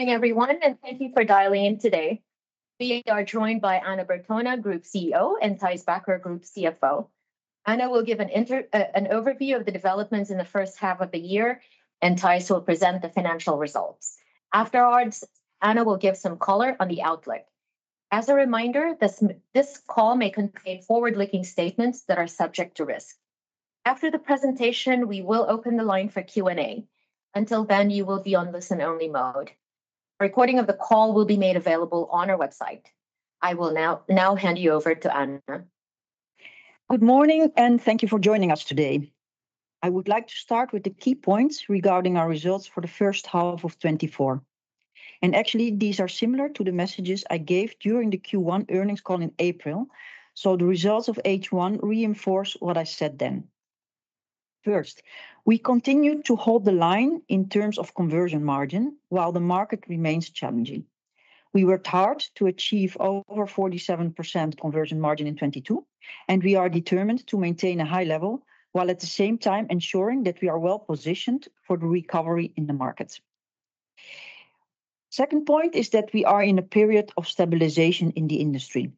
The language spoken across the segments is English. Good morning, everyone, and thank you for dialing in today. We are joined by Anna Bertona, Group CEO, and Thijs Bakker, Group CFO. Anna will give an overview of the developments in the first half of the year, and Thijs will present the financial results. Afterwards, Anna will give some color on the outlook. As a reminder, this call may contain forward-looking statements that are subject to risk. After the presentation, we will open the line for Q&A. Until then, you will be on listen-only mode. A recording of the call will be made available on our website. I will now hand you over to Anna. Good morning, and thank you for joining us today. I would like to start with the key points regarding our results for the first half of 2024. Actually, these are similar to the messages I gave during the Q1 earnings call in April, so the results of H1 reinforce what I said then. First, we continue to hold the line in terms of conversion margin, while the market remains challenging. We worked hard to achieve over 47% conversion margin in 2022, and we are determined to maintain a high level, while at the same time ensuring that we are well positioned for the recovery in the markets. Second point is that we are in a period of stabilization in the industry.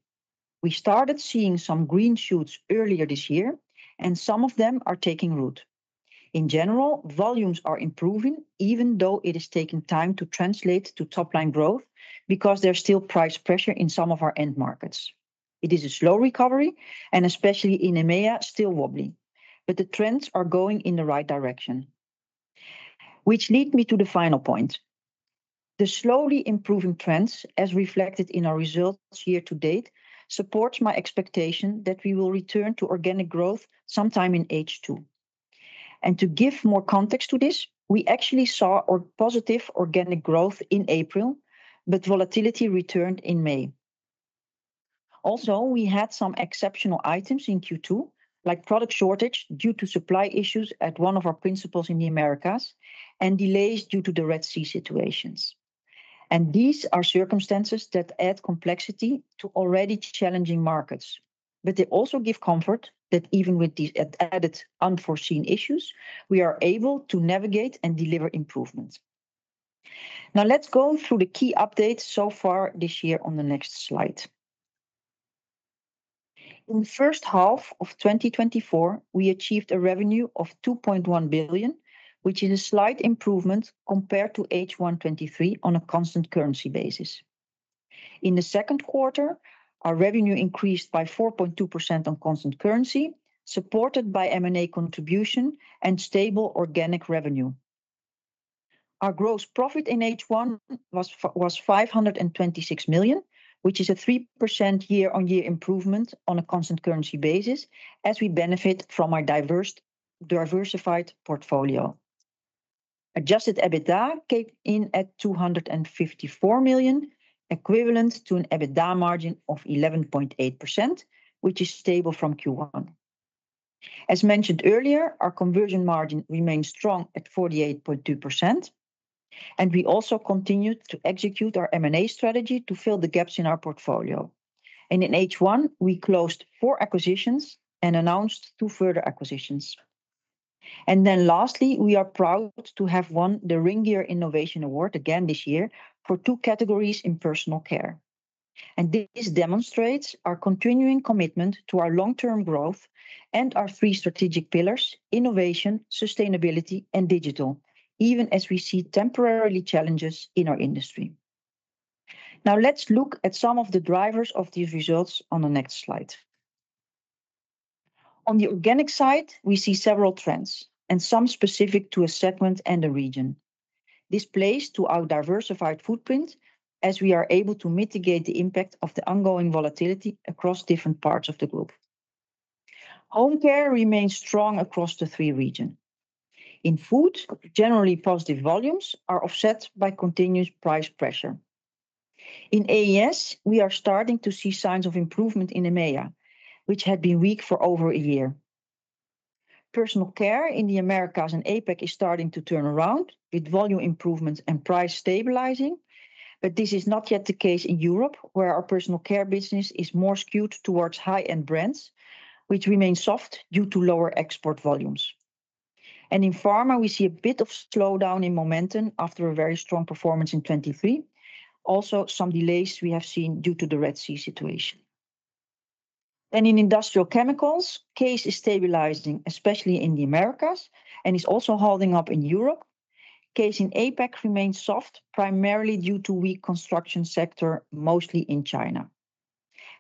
We started seeing some green shoots earlier this year, and some of them are taking root. In general, volumes are improving, even though it is taking time to translate to top line growth, because there's still price pressure in some of our end markets. It is a slow recovery, and especially in EMEA, still wobbly, but the trends are going in the right direction. Which leads me to the final point. The slowly improving trends, as reflected in our results year to date, support my expectation that we will return to organic growth sometime in H2. And to give more context to this, we actually saw a positive organic growth in April, but volatility returned in May. Also, we had some exceptional items in Q2, like product shortage due to supply issues at one of our principals in the Americas, and delays due to the Red Sea situations. And these are circumstances that add complexity to already challenging markets, but they also give comfort that even with these added unforeseen issues, we are able to navigate and deliver improvements. Now, let's go through the key updates so far this year on the next slide. In first half of 2024, we achieved a revenue of 2.1 billion, which is a slight improvement compared to H1 2023 on a constant currency basis. In the second quarter, our revenue increased by 4.2% on constant currency, supported by M&A contribution and stable organic revenue. Our gross profit in H1 was 526 million, which is a 3% year-on-year improvement on a constant currency basis, as we benefit from our diversified portfolio. Adjusted EBITDA came in at 254 million, equivalent to an EBITDA margin of 11.8%, which is stable from Q1. As mentioned earlier, our conversion margin remains strong at 48.2%, and we also continued to execute our M&A strategy to fill the gaps in our portfolio. In H1, we closed four acquisitions and announced two further acquisitions. Then lastly, we are proud to have won the Ringier Innovation Award again this year for two categories in Personal Care. This demonstrates our continuing commitment to our long-term growth and our three strategic pillars: innovation, sustainability, and digital, even as we see temporarily challenges in our industry. Now, let's look at some of the drivers of these results on the next slide. On the organic side, we see several trends, and some specific to a segment and a region. This plays to our diversified footprint, as we are able to mitigate the impact of the ongoing volatility across different parts of the group. Home Care remains strong across the three regions. In Food, generally positive volumes are offset by continuous price pressure. In AES, we are starting to see signs of improvement in EMEA, which had been weak for over a year. Personal care in the Americas and APAC is starting to turn around, with volume improvements and price stabilizing, but this is not yet the case in Europe, where our Personal Care business is more skewed towards high-end brands, which remain soft due to lower export volumes. In Pharma, we see a bit of slowdown in momentum after a very strong performance in 2023. Some delays we have seen due to the Red Sea situation. Then in Industrial Chemicals, CASE is stabilizing, especially in the Americas, and is also holding up in Europe. CASE in APAC remains soft, primarily due to weak construction sector, mostly in China.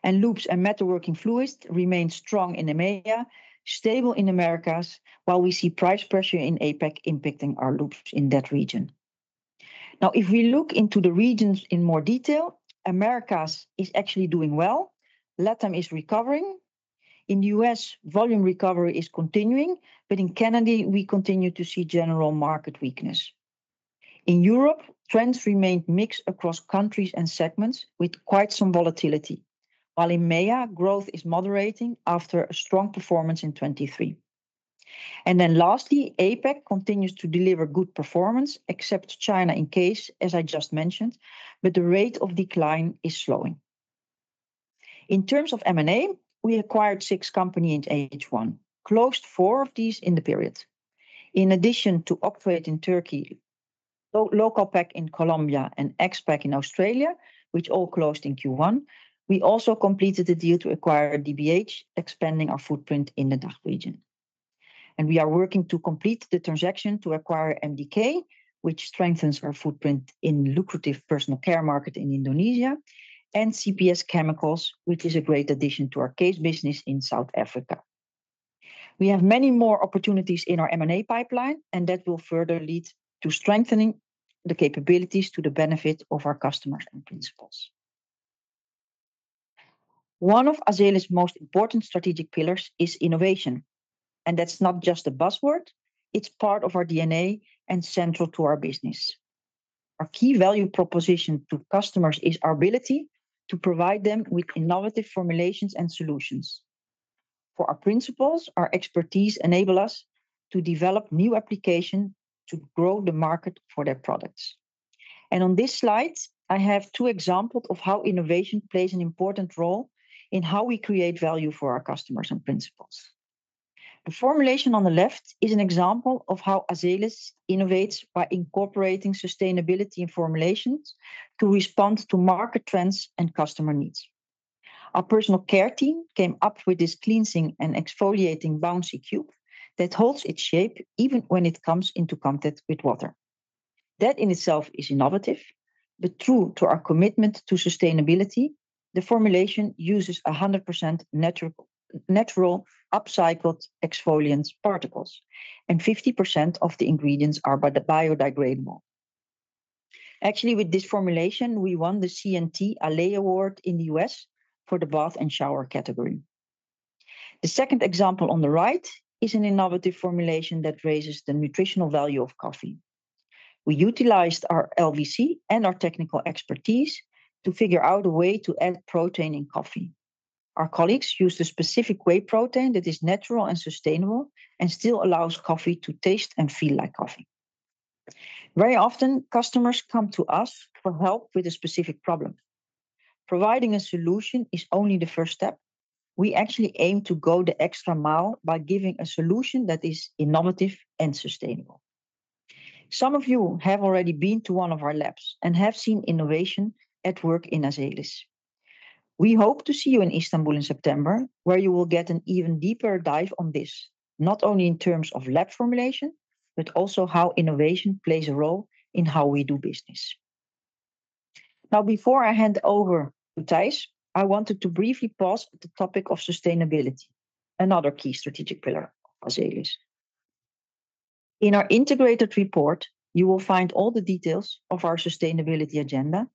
And Lubes & Metalworking Fluids remain strong in EMEA, stable in Americas, while we see price pressure in APAC impacting our lubes in that region. Now, if we look into the regions in more detail, Americas is actually doing well. LATAM is recovering. In U.S., volume recovery is continuing, but in Canada, we continue to see general market weakness. In Europe, trends remained mixed across countries and segments, with quite some volatility. While in EMEA, growth is moderating after a strong performance in 2023. And then lastly, APAC continues to deliver good performance, except China and CASE, as I just mentioned, but the rate of decline is slowing. In terms of M&A, we acquired six companies in H1, closed four of these in the period. In addition to Oktrade in Turkey, Localpack in Colombia, and Agspec in Australia, which all closed in Q1, we also completed the deal to acquire DBH, expanding our footprint in the DACH region. We are working to complete the transaction to acquire MDK, which strengthens our footprint in lucrative Personal Care market in Indonesia, and CPS Chemicals, which is a great addition to our CASE business in South Africa. We have many more opportunities in our M&A pipeline, and that will further lead to strengthening the capabilities to the benefit of our customers and principals. One of Azelis' most important strategic pillars is innovation, and that's not just a buzzword, it's part of our DNA and central to our business. Our key value proposition to customers is our ability to provide them with innovative formulations and solutions. For our principals, our expertise enable us to develop new application to grow the market for their products. On this slide, I have two examples of how innovation plays an important role in how we create value for our customers and principals. The formulation on the left is an example of how Azelis innovates by incorporating sustainability in formulations to respond to market trends and customer needs. Our Personal Care team came up with this cleansing and exfoliating bouncy cube that holds its shape even when it comes into contact with water. That, in itself, is innovative, but true to our commitment to sustainability, the formulation uses 100% natural upcycled exfoliants particles, and 50% of the ingredients are biodegradable. Actually, with this formulation, we won the C&T Allē Award in the U.S. for the bath and shower category. The second example on the right is an innovative formulation that raises the nutritional value of coffee. We utilized our LVC and our technical expertise to figure out a way to add protein in coffee. Our colleagues used a specific whey protein that is natural and sustainable, and still allows coffee to taste and feel like coffee. Very often, customers come to us for help with a specific problem. Providing a solution is only the first step. We actually aim to go the extra mile by giving a solution that is innovative and sustainable. Some of you have already been to one of our labs and have seen innovation at work in Azelis. We hope to see you in Istanbul in September, where you will get an even deeper dive on this, not only in terms of lab formulation, but also how innovation plays a role in how we do business. Now, before I hand over to Thijs, I wanted to briefly pause at the topic of sustainability, another key strategic pillar of Azelis. In our integrated report, you will find all the details of our sustainability agenda,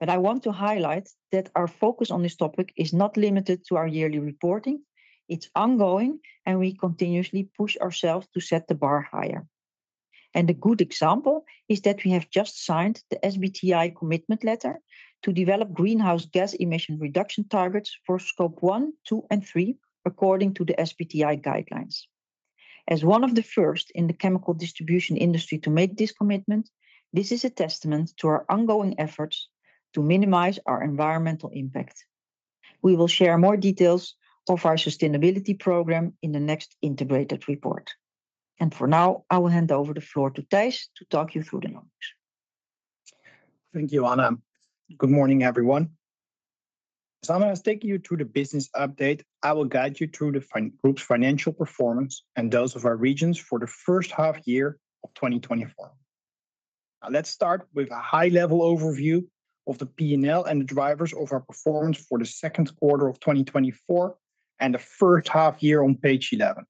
but I want to highlight that our focus on this topic is not limited to our yearly reporting. It's ongoing, and we continuously push ourselves to set the bar higher. And a good example is that we have just signed the SBTi commitment letter to develop greenhouse gas emission reduction targets for Scope 1, 2, and 3, according to the SBTi guidelines. As one of the first in the chemical distribution industry to make this commitment, this is a testament to our ongoing efforts to minimize our environmental impact. We will share more details of our sustainability program in the next integrated report. For now, I will hand over the floor to Thijs to talk you through the numbers. Thank you, Anna. Good morning, everyone. Anna has taken you through the business update. I will guide you through the Azelis Group's financial performance and those of our regions for the first half year of 2024. Now, let's start with a high-level overview of the P&L and the drivers of our performance for the second quarter of 2024, and the first half year on page 11.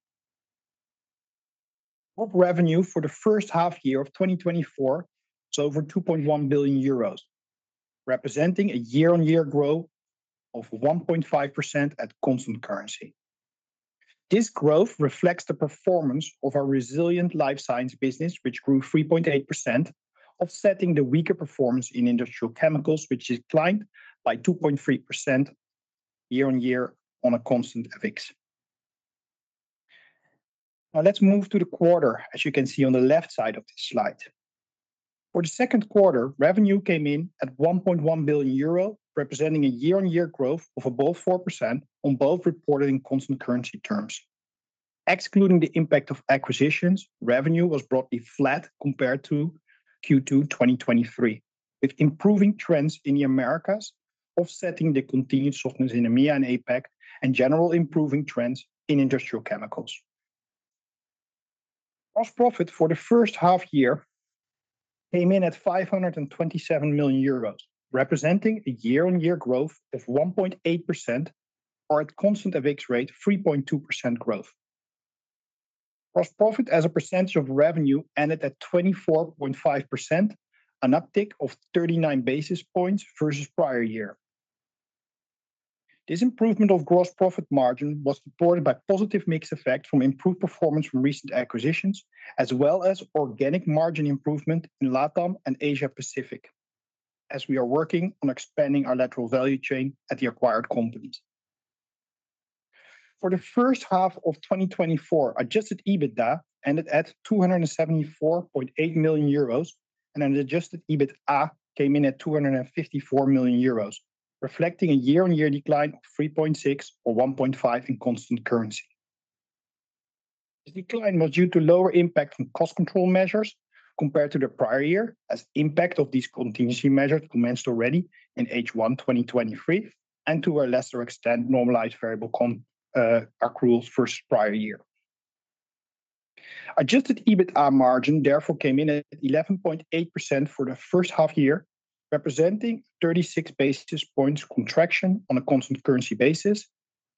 Total revenue for the first half year of 2024 is over 2.1 billion euros, representing a year-on-year growth of 1.5% at constant currency. This growth reflects the performance of our resilient Life Sciences business, which grew 3.8%, offsetting the weaker performance in Industrial Chemicals, which declined by 2.3% year-on-year on a constant FX. Now, let's move to the quarter, as you can see on the left side of this slide. For the second quarter, revenue came in at 1.1 billion euro, representing a year-on-year growth of above 4% on both reported and constant currency terms. Excluding the impact of acquisitions, revenue was broadly flat compared to Q2 2023, with improving trends in the Americas, offsetting the continued softness in the EMEA and APAC, and general improving trends in Industrial Chemicals. Gross profit for the first half year came in at 527 million euros, representing a year-on-year growth of 1.8%, or at constant FX rate, 3.2% growth. Gross profit as a percentage of revenue ended at 24.5%, an uptick of 39 basis points versus prior year. This improvement of gross profit margin was supported by positive mix effect from improved performance from recent acquisitions, as well as organic margin improvement in LATAM and Asia Pacific, as we are working on expanding our lateral value chain at the acquired companies. For the first half of 2024, adjusted EBITDA ended at 274.8 million euros, and an adjusted EBITDA came in at 254 million euros, reflecting a year-on-year decline of 3.6% or 1.5% in constant currency. The decline was due to lower impact from cost control measures compared to the prior year, as impact of these contingency measures commenced already in H1 2023, and to a lesser extent, normalized variable con accruals for prior year. Adjusted EBITDA margin therefore came in at 11.8% for the first half year, representing 36 basis points contraction on a constant currency basis.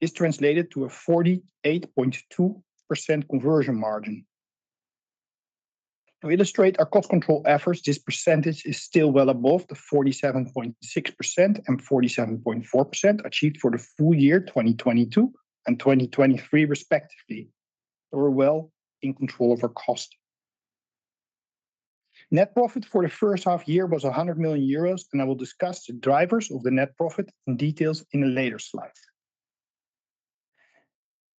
This translated to a 48.2% conversion margin. To illustrate our cost control efforts, this percentage is still well above the 47.6% and 47.4% achieved for the full year 2022 and 2023 respectively. We're well in control of our cost. Net profit for the first half year was 100 million euros, and I will discuss the drivers of the net profit in details in a later slide.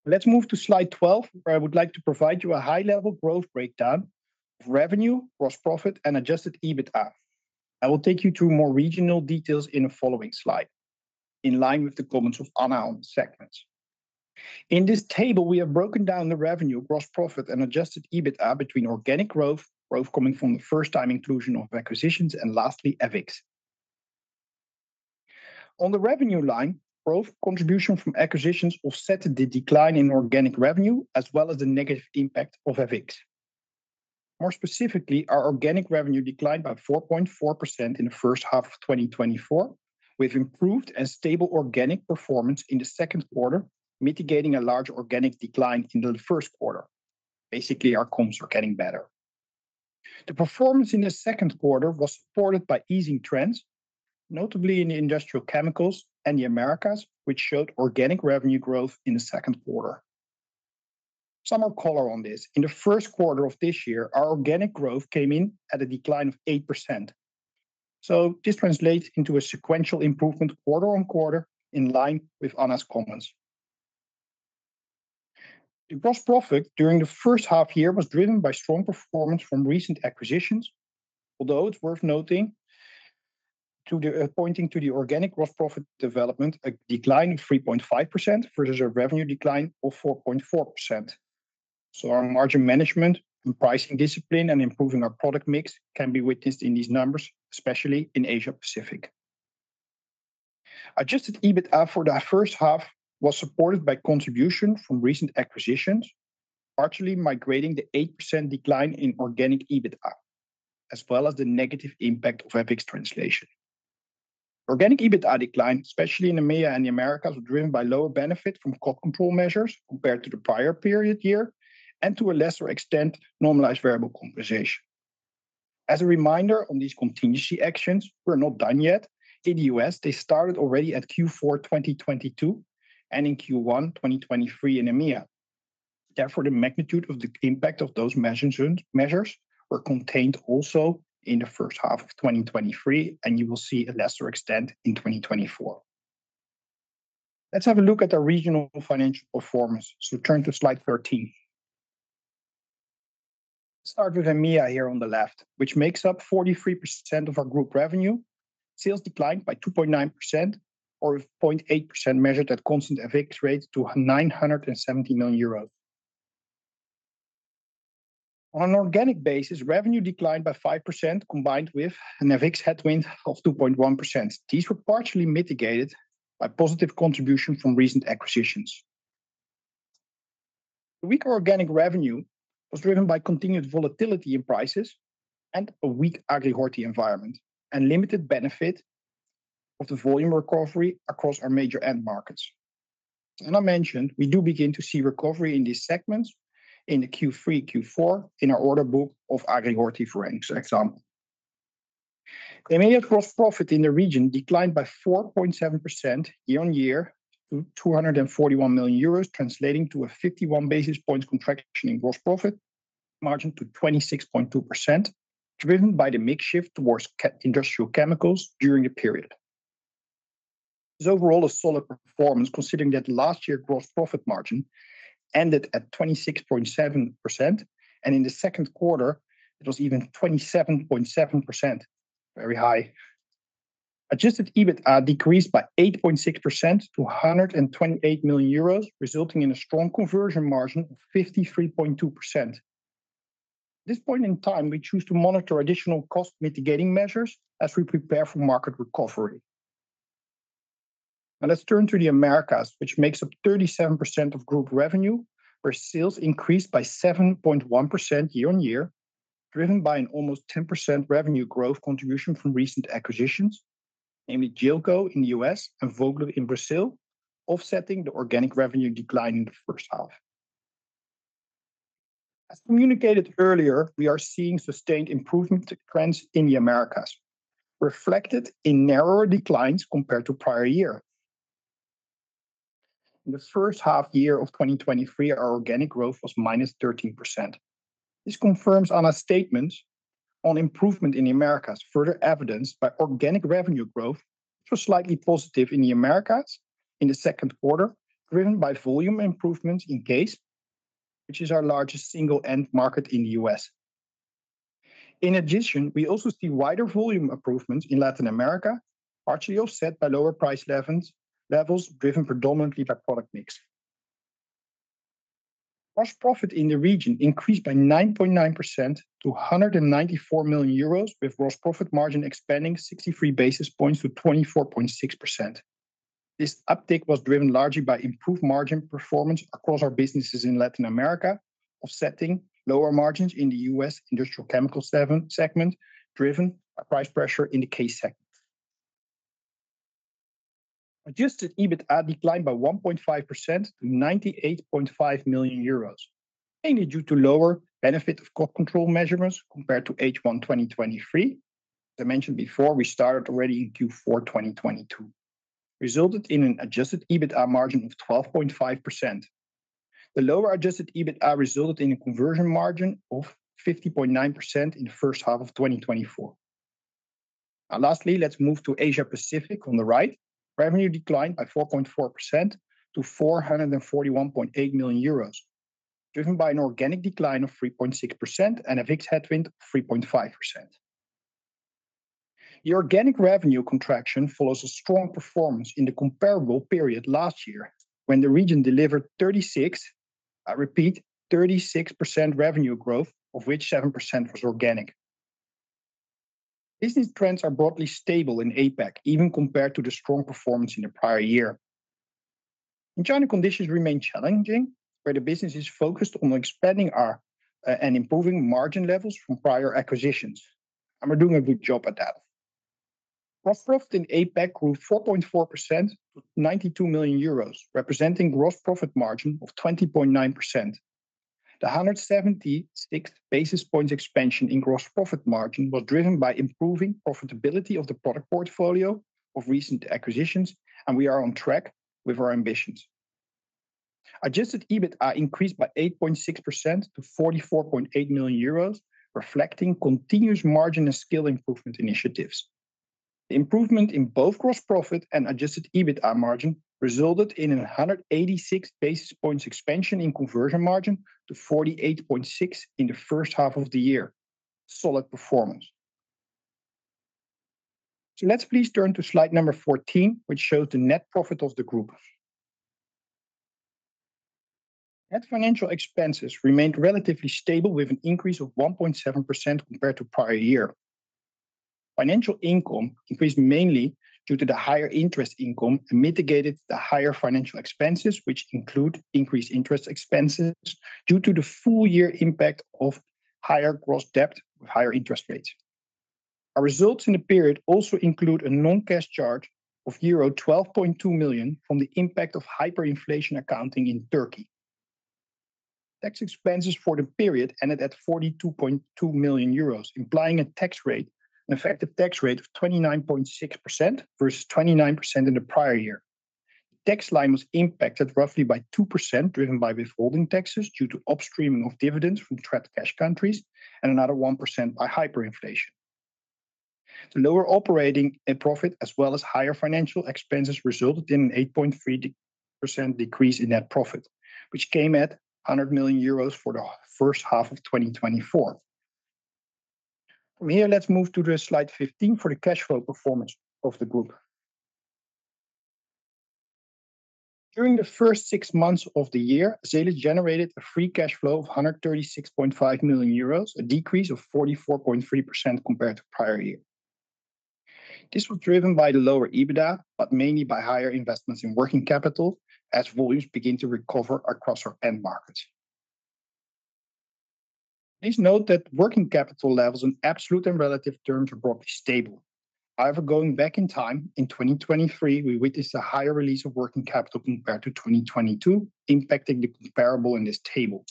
Let's move to slide 12, where I would like to provide you a high-level growth breakdown of revenue, gross profit, and adjusted EBITDA. I will take you through more regional details in the following slide, in line with the comments of Anna on segments. In this table, we have broken down the revenue, gross profit, and adjusted EBITDA between organic growth, growth coming from the first time inclusion of acquisitions, and lastly, FX. On the revenue line, growth contribution from acquisitions offset the decline in organic revenue, as well as the negative impact of FX. More specifically, our organic revenue declined by 4.4% in the first half of 2024, with improved and stable organic performance in the second quarter, mitigating a large organic decline in the first quarter. Basically, our comps are getting better. The performance in the second quarter was supported by easing trends, notably in the Industrial Chemicals and the Americas, which showed organic revenue growth in the second quarter. Some more color on this. In the first quarter of this year, our organic growth came in at a decline of 8%. So this translates into a sequential improvement quarter-on-quarter, in line with Anna's comments. The gross profit during the first half year was driven by strong performance from recent acquisitions, although it's worth noting to the, pointing to the organic gross profit development, a decline of 3.5% versus a revenue decline of 4.4%. So our margin management and pricing discipline and improving our product mix can be witnessed in these numbers, especially in Asia Pacific. Adjusted EBITDA for the first half was supported by contribution from recent acquisitions, partially mitigating the 8% decline in organic EBITDA, as well as the negative impact of FX translation. Organic EBITDA decline, especially in EMEA and the Americas, were driven by lower benefit from cost control measures compared to the prior period year, and to a lesser extent, normalized variable compensation. As a reminder on these contingency actions, we're not done yet. In the U.S., they started already at Q4 2022 and in Q1 2023 in EMEA. Therefore, the magnitude of the impact of those management measures were contained also in the first half of 2023, and you will see a lesser extent in 2024. Let's have a look at the regional financial performance, so turn to slide 13. Start with EMEA here on the left, which makes up 43% of our group revenue. Sales declined by 2.9% or 0.8%, measured at constant FX rates to 970 million euros. On an organic basis, revenue declined by 5%, combined with an FX headwind of 2.1%. These were partially mitigated by positive contribution from recent acquisitions. The weaker organic revenue was driven by continued volatility in prices and a weak Agri-Horti environment, and limited benefit of the volume recovery across our major end markets. I mentioned, we do begin to see recovery in these segments in the Q3, Q4 in our order book of Agri-Horti for example. The EMEA gross profit in the region declined by 4.7% year-on-year to 241 million euros, translating to a 51 basis points contraction in gross profit margin to 26.2%, driven by the mix shift towards Industrial Chemicals during the period. This is overall a solid performance, considering that last year gross profit margin ended at 26.7%, and in the second quarter, it was even 27.7%. Very high. Adjusted EBITDA decreased by 8.6% to 128 million euros, resulting in a strong conversion margin of 53.2%. At this point in time, we choose to monitor additional cost mitigating measures as we prepare for market recovery. Now, let's turn to the Americas, which makes up 37% of group revenue, where sales increased by 7.1% year-on-year, driven by an almost 10% revenue growth contribution from recent acquisitions, namely Gillco in the U.S. and Vogler in Brazil, offsetting the organic revenue decline in the first half. As communicated earlier, we are seeing sustained improvement trends in the Americas, reflected in narrower declines compared to prior year. In the first half of 2023, our organic growth was -13%. This confirms on our statement on improvement in the Americas, further evidenced by organic revenue growth, which was slightly positive in the Americas in the second quarter, driven by volume improvements in CASE, which is our largest single end market in the U.S. In addition, we also see wider volume improvements in Latin America, partially offset by lower price levels driven predominantly by product mix. Gross profit in the region increased by 9.9% to 194 million euros, with gross profit margin expanding 63 basis points to 24.6%. This uptick was driven largely by improved margin performance across our businesses in Latin America, offsetting lower margins in the U.S. Industrial Chemicals segment, driven by price pressure in the CASE segment. Adjusted EBITDA declined by 1.5% to 98.5 million euros, mainly due to lower benefit of cost control measurements compared to H1 2023. As I mentioned before, we started already in Q4 2022, resulted in an adjusted EBITDA margin of 12.5%. The lower adjusted EBITDA resulted in a conversion margin of 50.9% in the first half of 2024. Now, lastly, let's move to Asia Pacific on the right. Revenue declined by 4.4% to 441.8 million euros, driven by an organic decline of 3.6% and a FX headwind of 3.5%. The organic revenue contraction follows a strong performance in the comparable period last year, when the region delivered 36, I repeat, 36% revenue growth, of which 7% was organic. Business trends are broadly stable in APAC, even compared to the strong performance in the prior year. In China, conditions remain challenging, where the business is focused on expanding our and improving margin levels from prior acquisitions, and we're doing a good job at that. Gross profit in APAC grew 4.4% to 92 million euros, representing gross profit margin of 20.9%. The 176 basis points expansion in gross profit margin was driven by improving profitability of the product portfolio of recent acquisitions, and we are on track with our ambitions. Adjusted EBITDA increased by 8.6% to 44.8 million euros, reflecting continuous margin and skill improvement initiatives. The improvement in both gross profit and adjusted EBITDA margin resulted in 186 basis points expansion in conversion margin to 48.6 in the first half of the year. Solid performance. So let's please turn to slide number 14, which shows the net profit of the group. Net financial expenses remained relatively stable, with an increase of 1.7% compared to prior year. Financial income increased mainly due to the higher interest income and mitigated the higher financial expenses, which include increased interest expenses due to the full year impact of higher gross debt with higher interest rates. Our results in the period also include a non-cash charge of euro 12.2 million from the impact of hyperinflation accounting in Turkey. Tax expenses for the period ended at 42.2 million euros, implying a tax rate, an effective tax rate of 29.6% versus 29% in the prior year. The tax line was impacted roughly by 2%, driven by withholding taxes due to upstreaming of dividends from trapped cash countries and another 1% by hyperinflation. The lower operating profit, as well as higher financial expenses, resulted in an 8.3% decrease in net profit, which came at 100 million euros for the first half of 2024. From here, let's move to slide 15 for the cash flow performance of the group. During the first six months of the year, Azelis generated a free cash flow of 136.5 million euros, a decrease of 44.3% compared to prior year. This was driven by the lower EBITDA, but mainly by higher investments in working capital as volumes begin to recover across our end markets. Please note that working capital levels in absolute and relative terms are broadly stable. However, going back in time, in 2023, we witnessed a higher release of working capital compared to 2022, impacting the comparable in this table.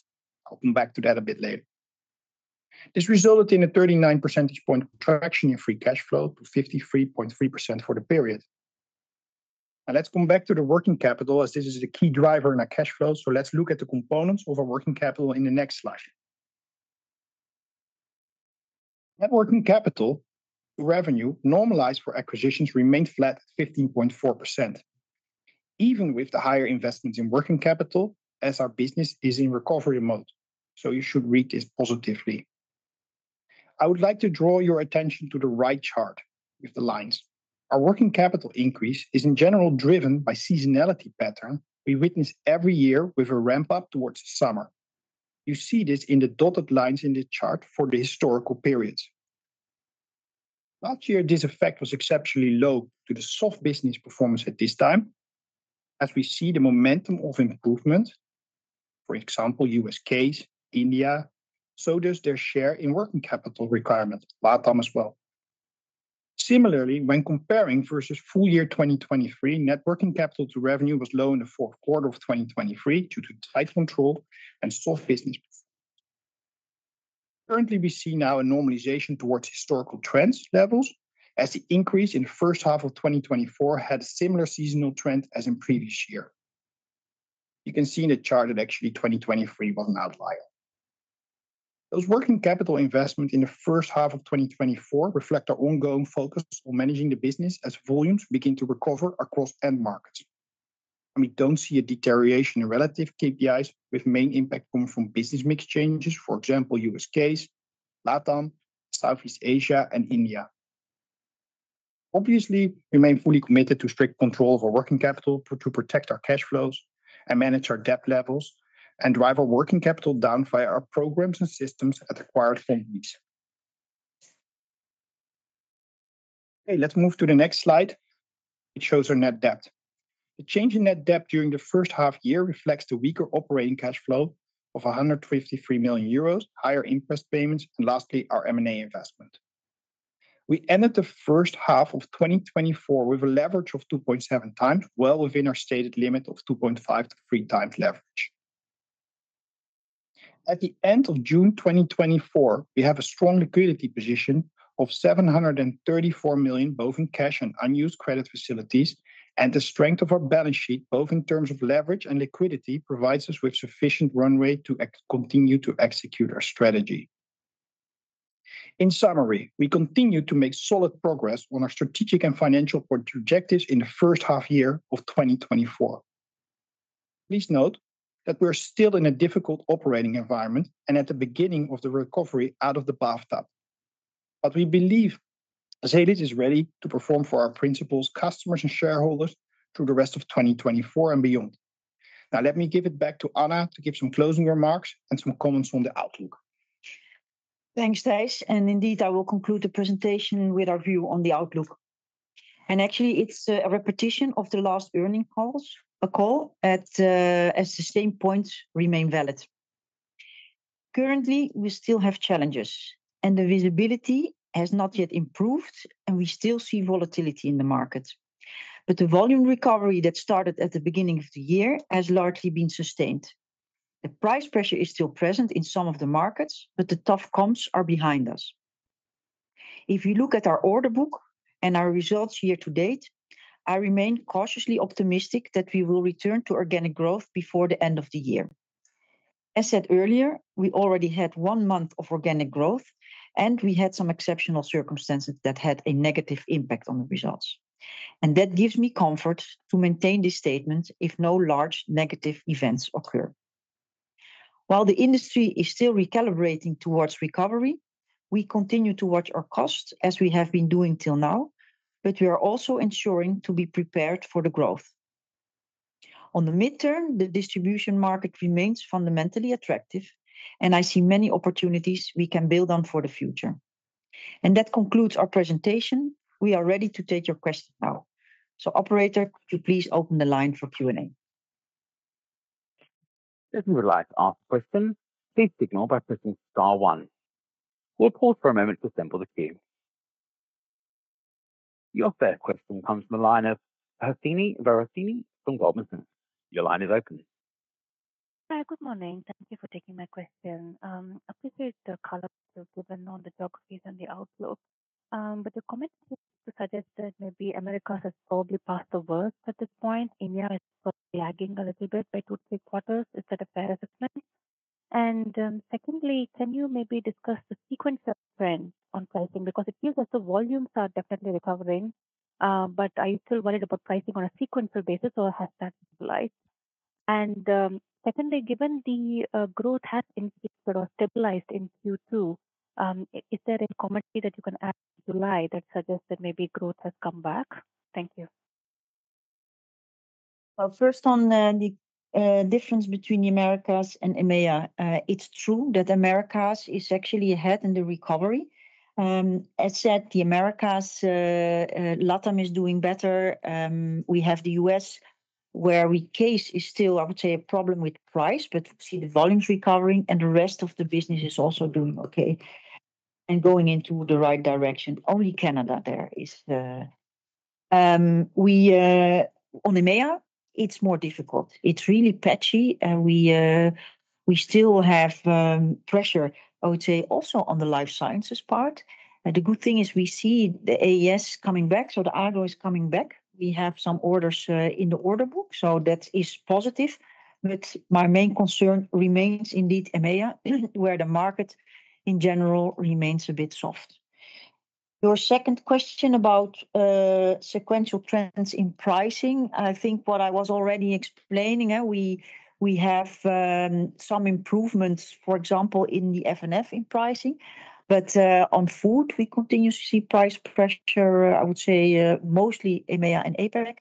I'll come back to that a bit later. This resulted in a 39 percentage point contraction in free cash flow to 53.3% for the period. Now, let's come back to the working capital, as this is the key driver in our cash flow. So let's look at the components of our working capital in the next slide. Net working capital revenue, normalized for acquisitions, remained flat at 15.4%, even with the higher investments in working capital as our business is in recovery mode. So you should read this positively. I would like to draw your attention to the right chart with the lines. Our working capital increase is in general driven by seasonality pattern we witness every year with a ramp-up towards the summer. You see this in the dotted lines in the chart for the historical periods. Last year, this effect was exceptionally low due to the soft business performance at this time. As we see the momentum of improvement, for example, U.S. CASE, India, so does their share in working capital requirements, LATAM as well. Similarly, when comparing versus full year 2023, net working capital to revenue was low in the fourth quarter of 2023 due to tight control and soft business. Currently, we see now a normalization towards historical trends levels, as the increase in the first half of 2024 had a similar seasonal trend as in previous year. You can see in the chart that actually 2023 was an outlier. Those working capital investment in the first half of 2024 reflect our ongoing focus on managing the business as volumes begin to recover across end markets. And we don't see a deterioration in relative KPIs, with main impact coming from business mix changes, for example, U.S. CASE, LATAM, Southeast Asia and India. Obviously, we remain fully committed to strict control of our working capital to protect our cash flows and manage our debt levels, and drive our working capital down via our programs and systems at acquired companies. Okay, let's move to the next slide. It shows our net debt. The change in net debt during the first half year reflects the weaker operating cash flow of 153 million euros, higher interest payments, and lastly, our M&A investment. We ended the first half of 2024 with a leverage of 2.7 times, well within our stated limit of 2.5-3 times leverage. At the end of June 2024, we have a strong liquidity position of 734 million, both in cash and unused credit facilities, and the strength of our balance sheet, both in terms of leverage and liquidity, provides us with sufficient runway to continue to execute our strategy. In summary, we continue to make solid progress on our strategic and financial objectives in the first half year of 2024. Please note that we're still in a difficult operating environment and at the beginning of the recovery out of the bathtub. But we believe Azelis is ready to perform for our principals, customers, and shareholders through the rest of 2024 and beyond. Now, let me give it back to Anna to give some closing remarks and some comments on the outlook. Thanks, Thijs, and indeed, I will conclude the presentation with our view on the outlook. Actually, it's a repetition of the last earnings calls as the same points remain valid. Currently, we still have challenges, and the visibility has not yet improved, and we still see volatility in the market. But the volume recovery that started at the beginning of the year has largely been sustained. The price pressure is still present in some of the markets, but the tough comps are behind us. If you look at our order book and our results year to date, I remain cautiously optimistic that we will return to organic growth before the end of the year. As said earlier, we already had one month of organic growth, and we had some exceptional circumstances that had a negative impact on the results. That gives me comfort to maintain this statement if no large negative events occur. While the industry is still recalibrating toward recovery, we continue to watch our costs as we have been doing till now, but we are also ensuring to be prepared for the growth. On the midterm, the distribution market remains fundamentally attractive, and I see many opportunities we can build on for the future. That concludes our presentation. We are ready to take your questions now. So operator, could you please open the line for Q&A? If you would like to ask a question, please signal by pressing star one. We'll pause for a moment to assemble the queue. Your first question comes from the line of Suhasini Varanasi from Goldman Sachs. Your line is open. Hi, good morning. Thank you for taking my question. Appreciate the color you've given on the geographies and the outlook. But the comment suggests that maybe Americas has probably passed the worst at this point. India is lagging a little bit by two, three quarters. Is that a fair assessment? And, secondly, can you maybe discuss the sequence of trends on pricing? Because it seems as the volumes are definitely recovering, but I'm still worried about pricing on a sequential basis, so has that stabilized? And, secondly, given the growth has increased or stabilized in Q2, is there any commentary that you can add in July that suggests that maybe growth has come back? Thank you. Well, first on the difference between the Americas and EMEA, it's true that Americas is actually ahead in the recovery. As said, the Americas, LATAM is doing better. We have the U.S., where CASE is still, I would say, a problem with price, but we see the volumes recovering and the rest of the business is also doing okay, and going into the right direction. Only Canada there is... On EMEA, it's more difficult. It's really patchy, and we still have pressure, I would say, also on the life sciences part. The good thing is we see the AES coming back, so the agro is coming back. We have some orders in the order book, so that is positive. But my main concern remains indeed EMEA, where the market in general remains a bit soft. Your second question about sequential trends in pricing, I think what I was already explaining, we have some improvements, for example, in the F&F in pricing, but on Food, we continue to see price pressure, I would say, mostly EMEA and APAC.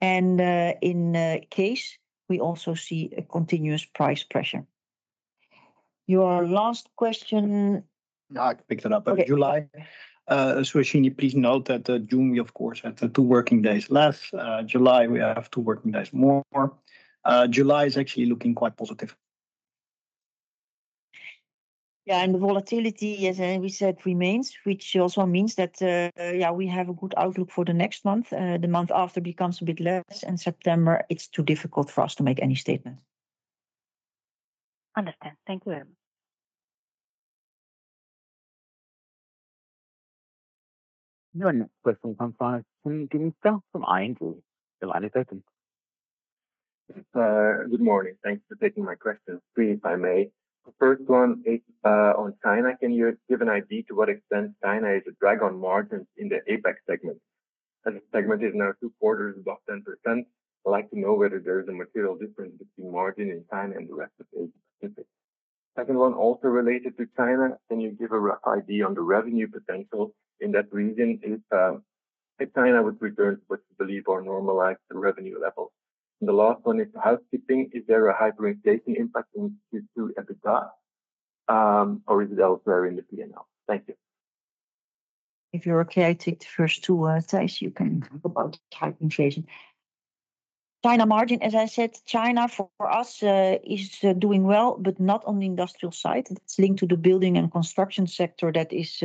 And in CASE, we also see a continuous price pressure. Your last question? No, I can pick it up. Okay. July, so Hasini, please note that, June, we of course, had two working days less. July, we have two working days more. July is actually looking quite positive. Yeah, and the volatility, as we said, remains, which also means that, yeah, we have a good outlook for the next month. The month after becomes a bit less, and September, it's too difficult for us to make any statement. Understand. Thank you very much.... Your next question comes from Stijn Demeester from ING. The line is open. Good morning. Thanks for taking my questions. Three, if I may. The first one is on China. Can you give an idea to what extent China is a drag on margins in the APAC segment? As the segment is now two quarters, about 10%, I'd like to know whether there is a material difference between margin in China and the rest of Asia Pacific. Second one, also related to China, can you give a rough idea on the revenue potential in that region if China would return to what you believe are normalized revenue levels? And the last one is housekeeping. Is there a hyperinflation impact on Q2 EBITDA, or is it elsewhere in the P&L? Thank you. If you're okay, I take the first two, Thijs, you can talk about hyperinflation. China margin, as I said, China, for us, is doing well, but not on the industrial side. It's linked to the building and construction sector that is,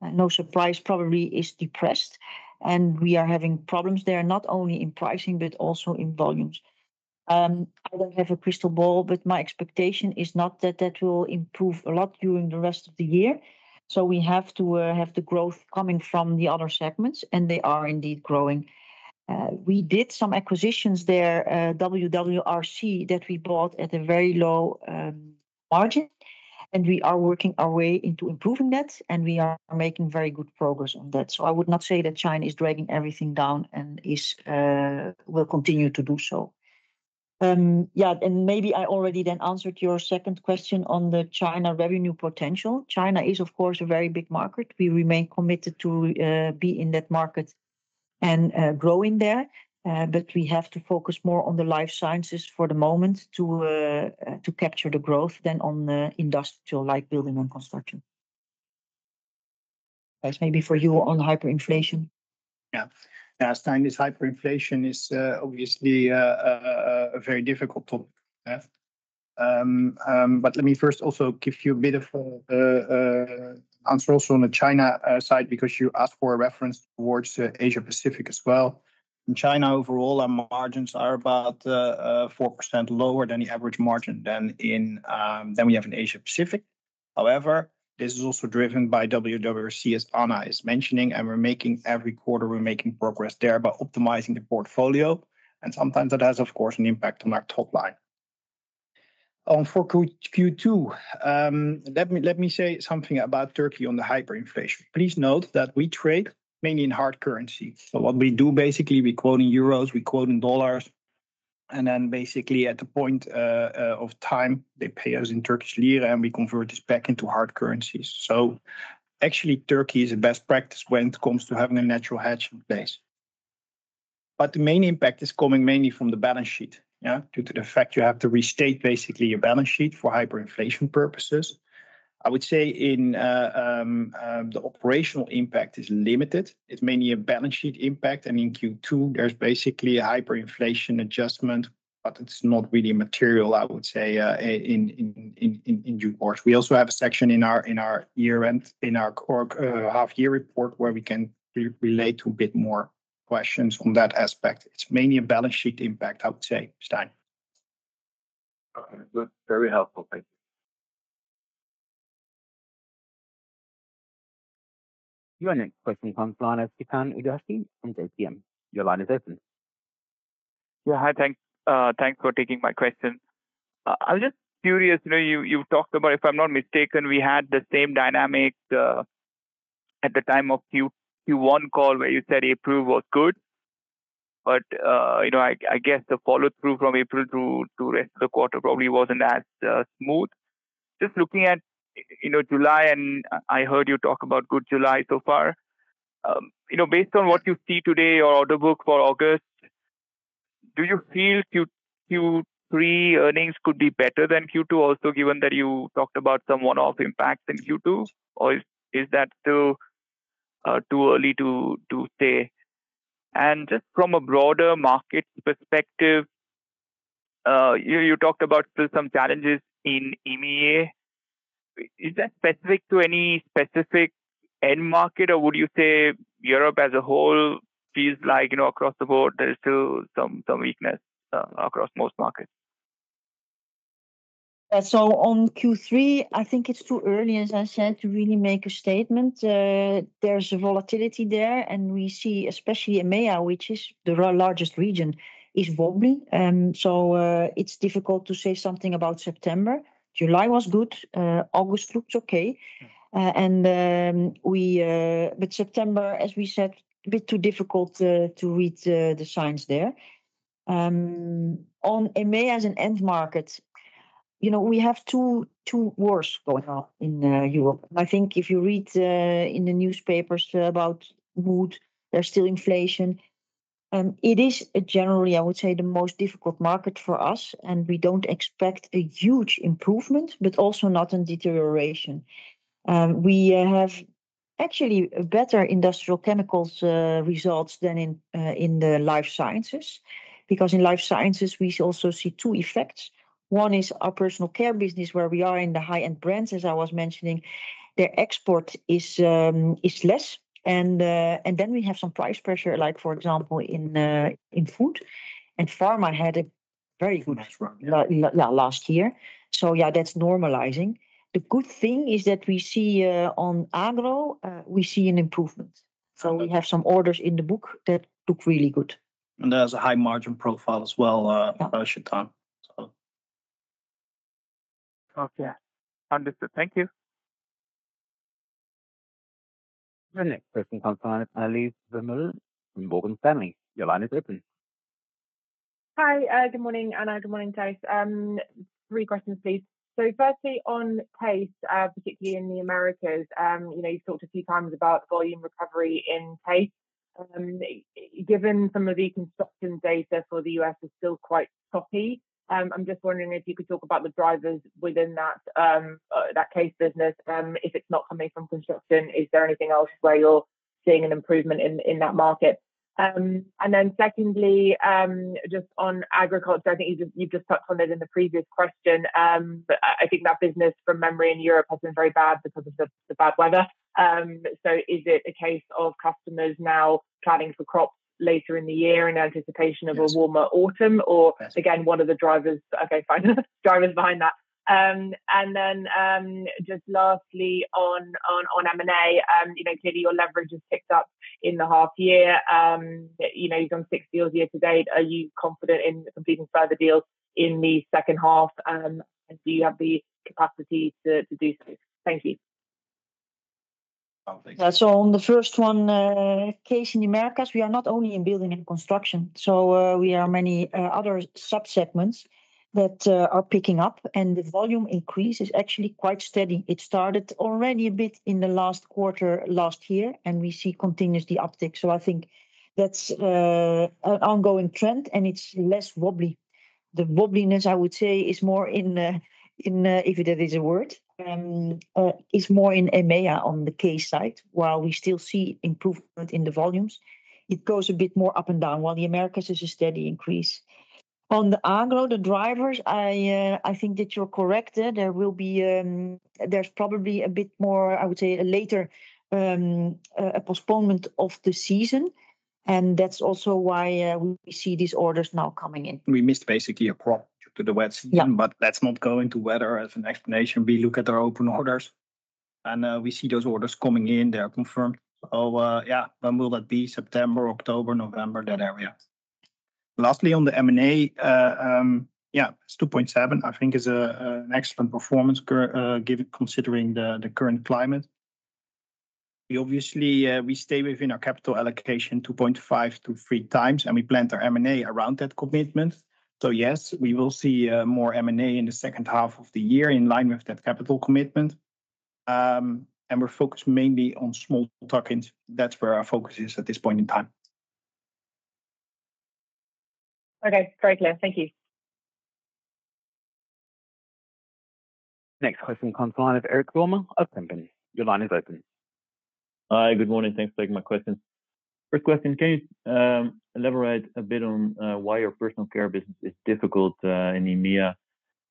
no surprise, probably is depressed, and we are having problems there, not only in pricing, but also in volumes. I don't have a crystal ball, but my expectation is not that that will improve a lot during the rest of the year. So we have to have the growth coming from the other segments, and they are indeed growing. We did some acquisitions there, WWRC, that we bought at a very low margin, and we are working our way into improving that, and we are making very good progress on that. So I would not say that China is dragging everything down and is will continue to do so. Yeah, and maybe I already then answered your second question on the China revenue potential. China is, of course, a very big market. We remain committed to be in that market and growing there. But we have to focus more on the life sciences for the moment to to capture the growth than on the industrial, like building and construction. Thijs, maybe for you on hyperinflation. Yeah. Yeah, Stijn, this hyperinflation is obviously a very difficult topic. Yeah. But let me first also give you a bit of answer also on the China side, because you asked for a reference towards Asia Pacific as well. In China, overall, our margins are about 4% lower than the average margin than we have in Asia Pacific. However, this is also driven by WWRC, as Anna is mentioning, and we're making, every quarter we're making progress there by optimizing the portfolio, and sometimes it has, of course, an impact on our top line. For Q2, let me say something about Turkey on the hyperinflation. Please note that we trade mainly in hard currency. So what we do, basically, we quote in euros, we quote in dollars, and then basically at the point of time, they pay us in Turkish lira, and we convert this back into hard currencies. So actually, Turkey is a best practice when it comes to having a natural hedging base. But the main impact is coming mainly from the balance sheet, yeah? Due to the fact you have to restate basically your balance sheet for hyperinflation purposes. I would say the operational impact is limited. It's mainly a balance sheet impact, and in Q2, there's basically a hyperinflation adjustment, but it's not really material, I would say, in due course. We also have a section in our year-end core half year report, where we can relate to a bit more questions on that aspect. It's mainly a balance sheet impact, I would say, Stijn. Okay, good. Very helpful. Thank you. Your next question comes from Chetan Udeshi from J.P. Morgan. Your line is open. Yeah, hi, thanks. Thanks for taking my question. I was just curious, you know, you talked about, if I'm not mistaken, we had the same dynamic at the time of Q1 call, where you said April was good. But, you know, I guess the follow-through from April to rest of the quarter probably wasn't as smooth. Just looking at, you know, July, and I heard you talk about good July so far, you know, based on what you see today, your order book for August, do you feel Q3 earnings could be better than Q2 also, given that you talked about some one-off impacts in Q2? Or is that too early to say? And just from a broader market perspective, you talked about still some challenges in EMEA. Is that specific to any specific end market, or would you say Europe as a whole feels like, you know, across the board, there is still some weakness across most markets? So on Q3, I think it's too early, as I said, to really make a statement. There's volatility there, and we see, especially EMEA, which is the largest region, is wobbly. It's difficult to say something about September. July was good, August looks okay. But September, as we said, a bit too difficult to read the signs there. On EMEA as an end market, you know, we have two wars going on in Europe. I think if you read in the newspapers about Food, there's still inflation. It is generally, I would say, the most difficult market for us, and we don't expect a huge improvement, but also not a deterioration. We have actually better Industrial Chemicals results than in the life sciences, because in life sciences we also see two effects. One is our Personal Care business, where we are in the high-end brands, as I was mentioning, their export is less. And then we have some price pressure, like for example, in Food. And Pharma had a very good last year, so yeah, that's normalizing. The good thing is that we see on Agro we see an improvement. Okay. We have some orders in the book that look really good. There's a high margin profile as well. Yeah.... Chetan, so. Okay, understood. Thank you. The next person comes on, Lisa De Neve from Morgan Stanley. Your line is open. Hi, good morning, Anna. Good morning, Thijs. Three questions, please. So firstly, on CASE, particularly in the Americas, you know, you talked a few times about volume recovery in CASE. Given some of the construction data for the U.S. is still quite toppy, I'm just wondering if you could talk about the drivers within that, that CASE business, if it's not coming from construction, is there anything else where you're seeing an improvement in, in that market? And then secondly, just on agriculture, I think you just, you just touched on it in the previous question. But I, I think that business from memory in Europe has been very bad because of the, the bad weather. So is it a case of customers now planning for crops later in the year in anticipation of- Yes... a warmer autumn? Yes. Again, what are the drivers? Okay, fine. Drivers behind that. And then, just lastly, on M&A, you know, clearly your leverage has picked up in the half year. You know, you've done six deals year to date. Are you confident in completing further deals in the second half? And do you have the capacity to do so? Thank you. So on the first one, CASE in the Americas, we are not only in building and construction. So we are many other sub-segments that are picking up, and the volume increase is actually quite steady. It started already a bit in the last quarter, last year, and we see continuously uptick. So I think that's an ongoing trend, and it's less wobbly. The wobbliness, I would say, is more in the in, if that is a word, is more in EMEA on the CASE side. While we still see improvement in the volumes, it goes a bit more up and down, while the Americas is a steady increase. On the Agro, the drivers, I, I think that you're correct, that there will be... There's probably a bit more, I would say, a postponement of the season, and that's also why we see these orders now coming in. We missed basically a crop due to the wet season. Yeah. But let's not go into weather as an explanation. We look at our open orders, and we see those orders coming in. They are confirmed. So, yeah, when will that be? September, October, November, that area. Lastly, on the M&A, yeah, it's 2.7, I think is a, a, an excellent performance given considering the, the current climate. We obviously, we stay within our capital allocation 2.5 to 3 times, and we plan our M&A around that commitment. So yes, we will see, more M&A in the second half of the year, in line with that capital commitment. And we're focused mainly on small targets. That's where our focus is at this point in time. Okay, very clear. Thank you. Next question comes from the line of Eric Wilmer of Kempen. Your line is open. Hi, good morning. Thanks for taking my question. First question, can you elaborate a bit on why your Personal Care business is difficult in EMEA?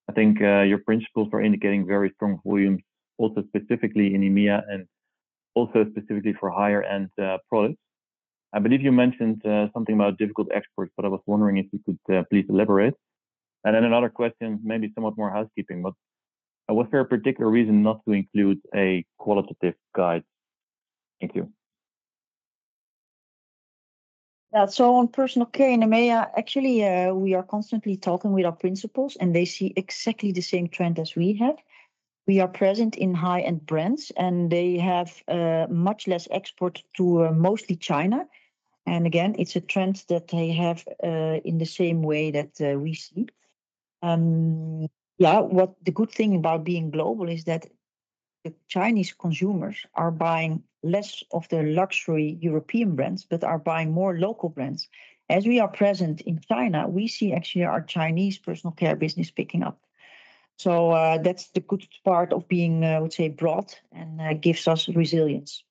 I think your principals are indicating very strong volumes, also specifically in EMEA, and also specifically for higher-end products. I believe you mentioned something about difficult exports, but I was wondering if you could please elaborate. And then another question, maybe somewhat more housekeeping, but was there a particular reason not to include a qualitative guide? Thank you. Yeah. So on Personal Care in EMEA, actually, we are constantly talking with our principals, and they see exactly the same trend as we have. We are present in high-end brands, and they have much less export to mostly China. And again, it's a trend that they have in the same way that we see. Yeah, what the good thing about being global is that the Chinese consumers are buying less of the luxury European brands, but are buying more local brands. As we are present in China, we see actually our Chinese Personal Care business picking up. So, that's the good part of being, I would say, broad, and that gives us resilience.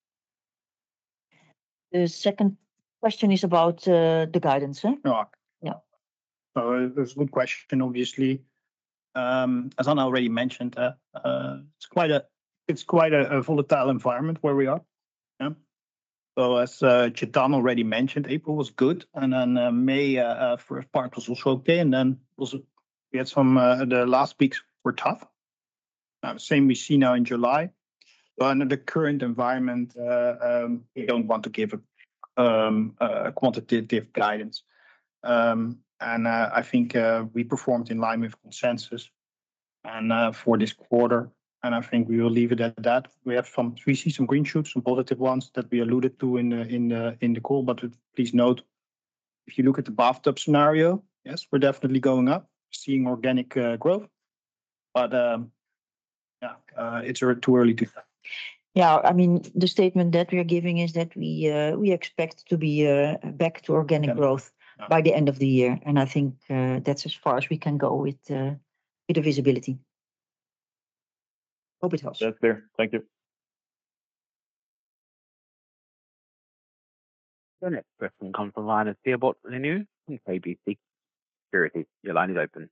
The second question is about the guidance, huh? Yeah. Yeah. So that's a good question, obviously. As Anna already mentioned, it's quite a volatile environment where we are. Yeah. So as Chetan already mentioned, April was good, and then May, first part was also okay, and then also we had some, the last weeks were tough. Now, the same we see now in July. But under the current environment, we don't want to give a quantitative guidance. I think we performed in line with consensus, and for this quarter, and I think we will leave it at that. We see some green shoots, some positive ones that we alluded to in the call. But please note, if you look at the bathtub scenario, yes, we're definitely going up, seeing organic growth, but it's too early to tell. Yeah. I mean, the statement that we are giving is that we expect to be back to organic growth- Yeah.... by the end of the year, and I think, that's as far as we can go with, with the visibility. Hope it helps. That's clear. Thank you. The next question comes from the line of Thibault Leneeuw from KBC. Your line is open....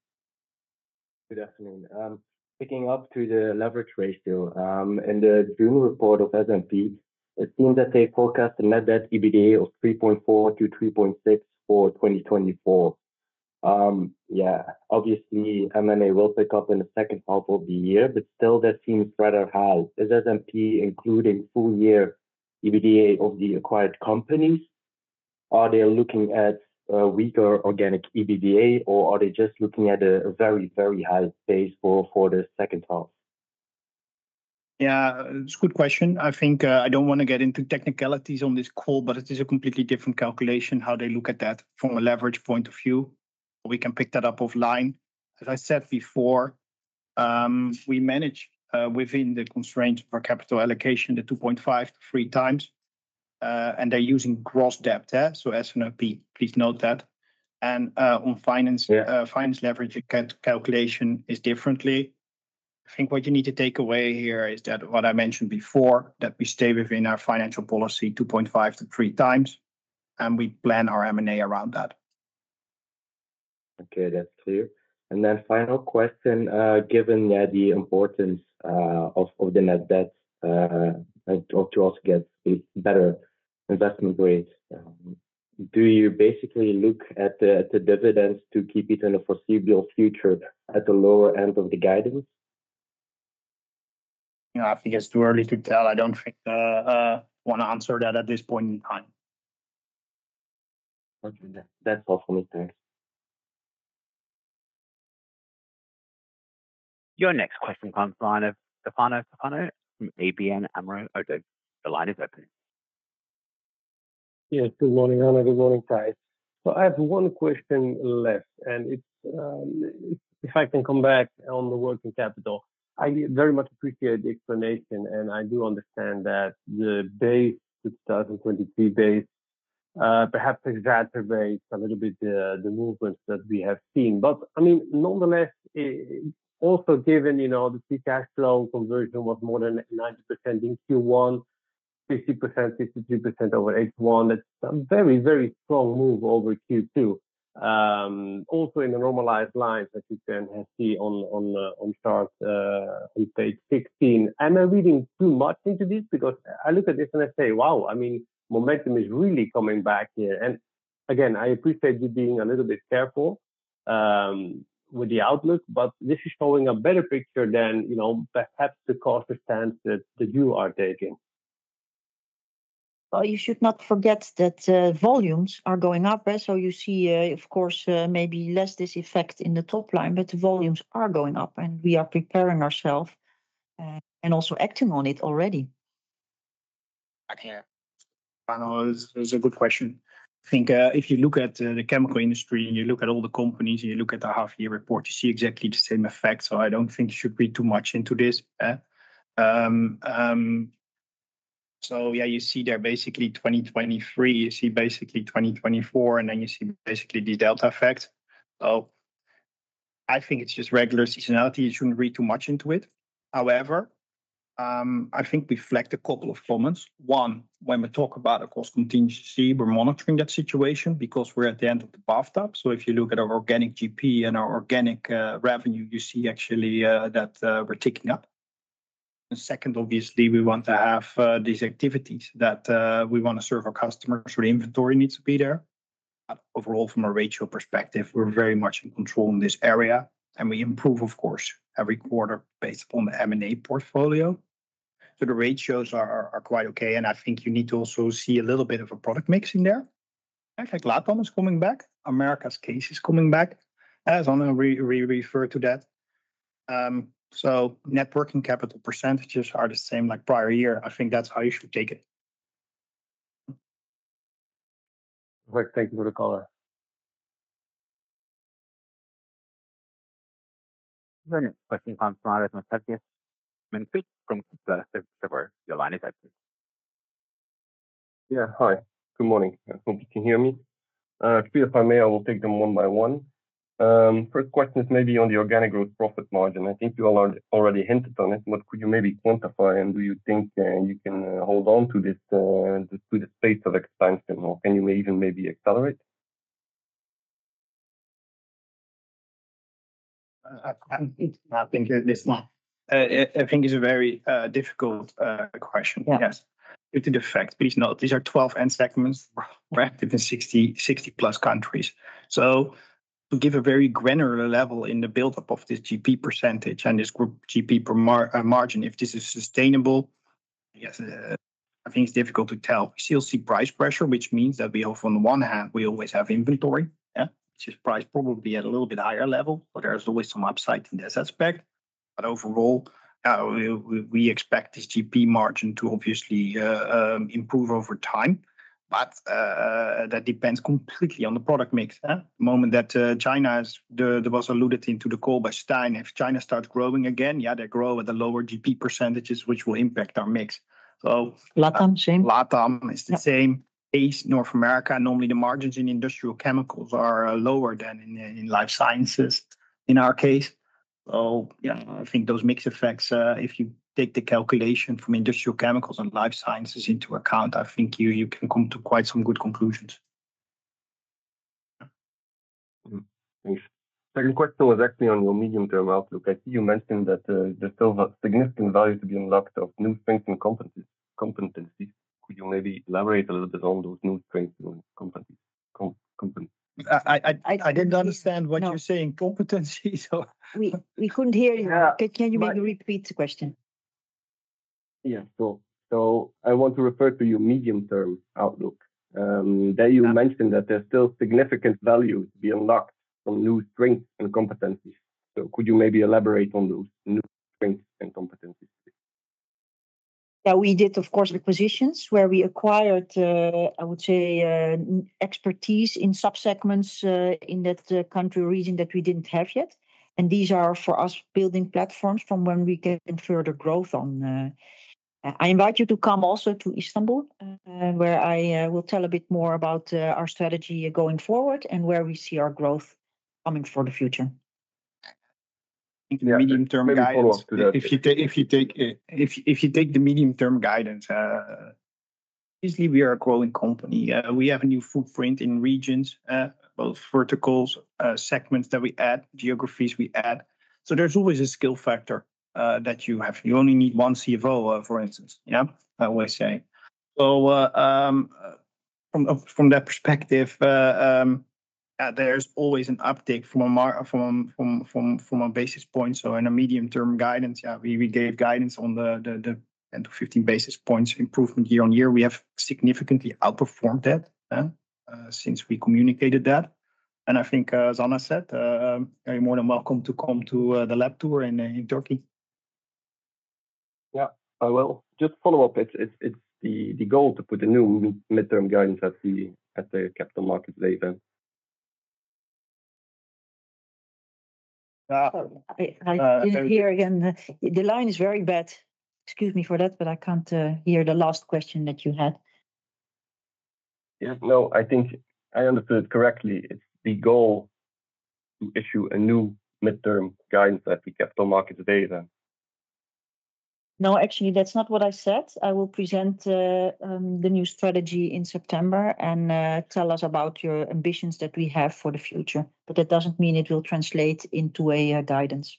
Good afternoon. Picking up to the leverage ratio, in the June report of S&P, it seems that they forecast a net debt EBITDA of 3.4-3.6 for 2024. Yeah, obviously, M&A will pick up in the second half of the year, but still that seems rather high. Is S&P including full year EBITDA of the acquired companies? Are they looking at a weaker organic EBITDA, or are they just looking at a very, very high base for the second half? Yeah, it's a good question. I think, I don't want to get into technicalities on this call, but it is a completely different calculation, how they look at that from a leverage point of view. We can pick that up offline. As I said before, we manage within the constraints of our capital allocation, the 2.5-3 times, and they're using gross debt there. So S&P, please note that. And on finance- Yeah. Financial leverage calculation is different. I think what you need to take away here is that what I mentioned before, that we stay within our financial policy 2.5-3 times, and we plan our M&A around that. Okay, that's clear. And then final question, given that the importance of the net debt, and to also get better investment grades, do you basically look at the dividends to keep it in the foreseeable future at the lower end of the guidance? You know, I think it's too early to tell. I don't think want to answer that at this point in time. Okay. That, that's all for me, thanks. Your next question comes from the line of Stefano Toffano from ABN AMRO. The line is open. Yes, good morning, Anna. Good morning, Thijs. So I have one question left, and it's if I can come back on the working capital. I very much appreciate the explanation, and I do understand that the base, the 2023 base, perhaps exaggerates a little bit the movements that we have seen. But, I mean, nonetheless, it also given, you know, the free cash flow conversion was more than 90% in Q1, 50%, 62% over H1, that's a very, very strong move over Q2. Also in the normalized lines, as you can see on the chart on page 16. Am I reading too much into this? Because I look at this and I say, "Wow, I mean, momentum is really coming back here." And again, I appreciate you being a little bit careful, with the outlook, but this is showing a better picture than, you know, perhaps the cautious stance that, that you are taking. Well, you should not forget that, volumes are going up. So you see, of course, maybe less this effect in the top line, but volumes are going up, and we are preparing ourselves, and also acting on it already. Okay. I know it's a good question. I think, if you look at, the chemical industry, and you look at all the companies, and you look at the half year report, you see exactly the same effect. So I don't think you should read too much into this. So yeah, you see there basically 2023, you see basically 2024, and then you see basically the delta effect. So I think it's just regular seasonality. You shouldn't read too much into it. However, I think we reflect a couple of moments. One, when we talk about, of course, contingency, we're monitoring that situation because we're at the end of the bathtub. So if you look at our organic GP and our organic, revenue, you see actually, that, we're ticking up. Second, obviously, we want to have these activities that we want to serve our customers, so inventory needs to be there. But overall, from a ratio perspective, we're very much in control in this area, and we improve, of course, every quarter based on the M&A portfolio. So the ratios are quite okay, and I think you need to also see a little bit of a product mix in there. I think LATAM is coming back, Americas CASE is coming back. As Anna referred to that, so net working capital percentages are the same like prior year. I think that's how you should take it. Right. Thank you for the color. The next question comes from Matthias Maenhaut from Kepler Cheuvreux. Your line is open. Yeah, hi. Good morning. I hope you can hear me. If I may, I will take them one by one. First question is maybe on the organic gross profit margin. I think you all already hinted on it, but could you maybe quantify, and do you think you can hold on to this, to the pace of expansion, or can you even maybe accelerate? I think this one, I think it's a very difficult question. Yes. Due to the fact, please note, these are 12 end segments. We're active in 60, 60+ countries. So to give a very granular level in the buildup of this GP percentage and this group GP margin, if this is sustainable, yes, I think it's difficult to tell. We still see price pressure, which means that we, on the one hand, we always have inventory, yeah, which is priced probably at a little bit higher level, but there's always some upside in this aspect. But overall, we, we expect this GP margin to obviously improve over time, but that depends completely on the product mix, huh? The moment that China is, the, that was alluded into the call by Stijn, if China starts growing again, yeah, they grow at a lower GP percentages, which will impact our mix. So- LATAM, same. LATAM is the same. CASE, North America, normally, the margins in industrial chemicals are lower than in life sciences, in our case. So yeah, I think those mix effects, if you take the calculation from industrial chemicals and life sciences into account, I think you can come to quite some good conclusions.... Thanks. Second question was actually on your medium-term outlook. I see you mentioned that there's still a significant value to be unlocked of new strengths and competencies. Could you maybe elaborate a little bit on those new strengths and competencies? I didn't understand what you're saying, competencies, so- We couldn't hear you. Yeah. Can you maybe repeat the question? Yeah, sure. So I want to refer to your medium-term outlook. There you mentioned that there's still significant value to be unlocked from new strengths and competencies. So could you maybe elaborate on those new strengths and competencies? Yeah, we did, of course, acquisitions where we acquired, I would say, expertise in sub-segments in that country or region that we didn't have yet, and these are for us building platforms from when we get further growth on... I invite you to come also to Istanbul, where I will tell a bit more about our strategy going forward and where we see our growth coming for the future. Medium-term guidance- Maybe follow up to that. If you take the medium-term guidance, easily we are a growing company. We have a new footprint in regions, both verticals, segments that we add, geographies we add. So there's always a skill factor that you have. You only need one CFO, for instance, you know, I always say. So, from that perspective, there's always an uptick from a mar- from a basis point. So in a medium-term guidance, yeah, we gave guidance on the 10-15 basis points improvement year-on-year. We have significantly outperformed that, since we communicated that, and I think, as Anna said, you're more than welcome to come to the lab tour in in Turkey. Yeah. I will just follow up. It's the goal to put a new midterm guidance at the capital market later. I didn't hear again. The line is very bad. Excuse me for that, but I can't hear the last question that you had. Yes, no, I think I understood correctly. It's the goal to issue a new mid-term guidance at the Capital Markets Day today, then? No, actually, that's not what I said. I will present the new strategy in September, and tell us about your ambitions that we have for the future, but that doesn't mean it will translate into a guidance.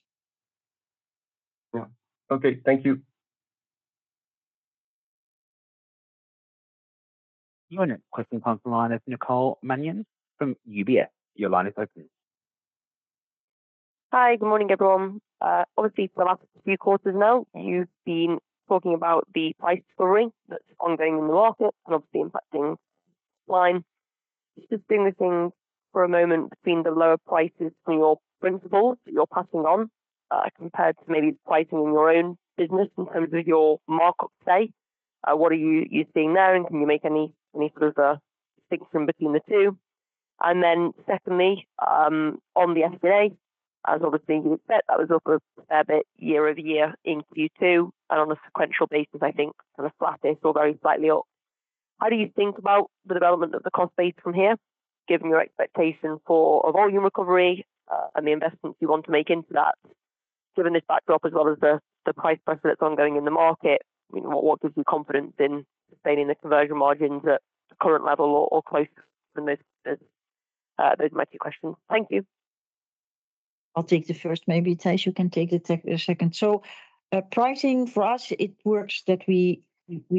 Yeah. Okay. Thank you. The next question comes from Nicola Manion from UBS. Your line is open. Hi, good morning, everyone. Obviously, for the last few quarters now, you've been talking about the price story that's ongoing in the market and obviously impacting line. Just bring this in for a moment between the lower prices from your principals that you're passing on, compared to maybe pricing in your own business in terms of your markup, say. What are you seeing now, and can you make any further distinction between the two? And then secondly, on the SG&A, as obviously you expect, that was up a fair bit year-over-year in Q2, and on a sequential basis, I think sort of flat or very slightly up. How do you think about the development of the cost base from here, given your expectation for a volume recovery, and the investments you want to make into that? Given this backdrop, as well as the price pressure that's ongoing in the market, I mean, what gives you confidence in maintaining the conversion margins at the current level or close than this? Those are my two questions. Thank you. I'll take the first. Maybe, Thijs, you can take the second. So, pricing for us, it works that we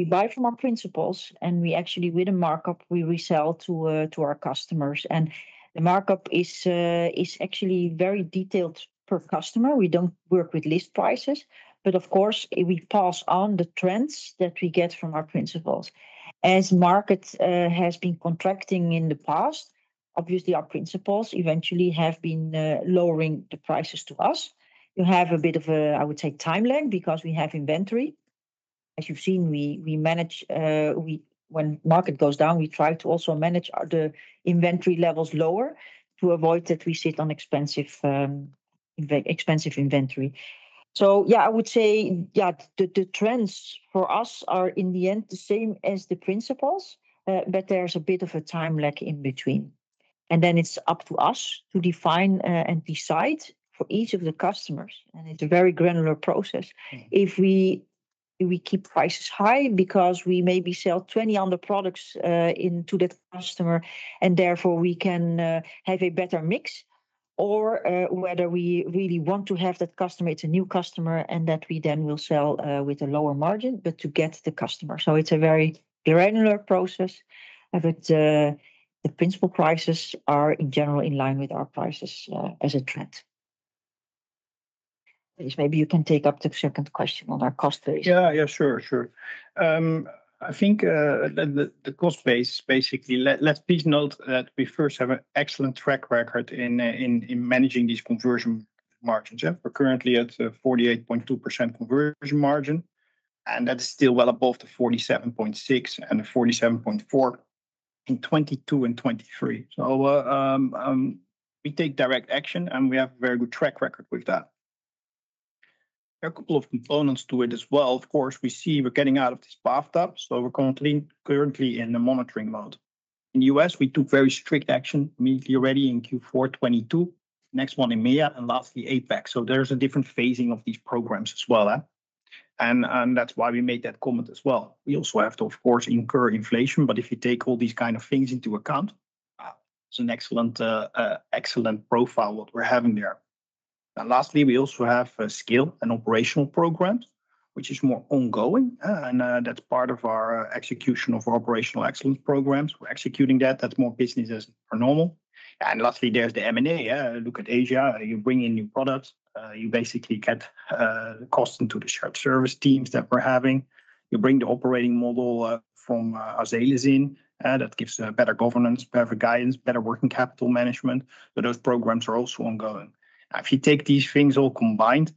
buy from our principals, and we actually, with a markup, we resell to our customers. And the markup is actually very detailed per customer. We don't work with list prices, but of course, we pass on the trends that we get from our principals. As market has been contracting in the past, obviously, our principals eventually have been lowering the prices to us. You have a bit of a, I would say, timeline, because we have inventory. As you've seen, we manage when market goes down, we try to also manage our the inventory levels lower to avoid that we sit on expensive expensive inventory. So yeah, I would say, yeah, the trends for us are, in the end, the same as the principals, but there's a bit of a time lag in between, and then it's up to us to define and decide for each of the customers, and it's a very granular process. If we keep prices high because we maybe sell 20 other products into the customer, and therefore, we can have a better mix, or whether we really want to have that customer, it's a new customer, and that we then will sell with a lower margin, but to get the customer. So it's a very granular process, but the principal prices are in general in line with our prices as a trend. Thijs, maybe you can take up the second question on our cost base. Yeah, yeah, sure, sure. I think the cost base, basically, let's please note that we first have an excellent track record in managing these conversion margins. Yeah, we're currently at 48.2% conversion margin, and that's still well above the 47.6% and the 47.4% in 2022 and 2023. So, we take direct action, and we have a very good track record with that. There are a couple of components to it as well. Of course, we see we're getting out of this bathtub, so we're currently in the monitoring mode. In the US, we took very strict action immediately already in Q4 2022, next one in EMEA, and lastly, APAC. So there's a different phasing of these programs as well, eh? And that's why we made that comment as well. We also have to, of course, incur inflation, but if you take all these kind of things into account, it's an excellent, excellent profile what we're having there. And lastly, we also have a scale and operational programs, which is more ongoing, and that's part of our execution of our operational excellence programs. We're executing that. That's more business as per normal. And lastly, there's the M&A. Look at Asia. You bring in new products, you basically get cost into the shared service teams that we're having. You bring the operating model from Azelis in, and that gives better governance, better guidance, better working capital management, but those programs are also ongoing. If you take these things all combined,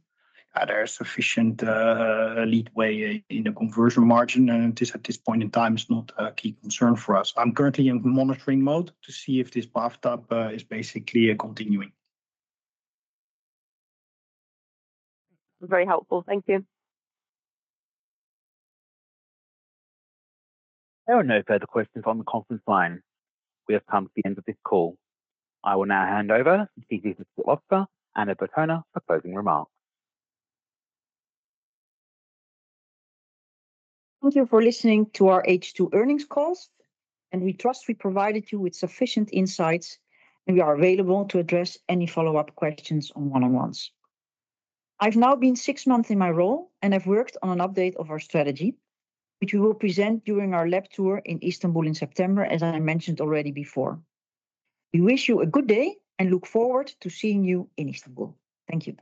there are sufficient leeway in the Conversion Margin, and at this point in time, it's not a key concern for us. I'm currently in monitoring mode to see if this bathtub is basically continuing. Very helpful. Thank you. There are no further questions on the conference line. We have come to the end of this call. I will now hand over to our CEO, Anna Bertona, for closing remarks. Thank you for listening to our H2 earnings calls, and we trust we provided you with sufficient insights, and we are available to address any follow-up questions on one-on-ones. I've now been six months in my role, and I've worked on an update of our strategy, which we will present during our lab tour in Istanbul in September, as I mentioned already before. We wish you a good day and look forward to seeing you in Istanbul. Thank you.